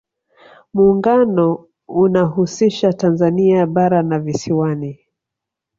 muungano unahusisha tanzania bara na visiwani